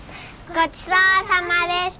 ごちそうさまでした。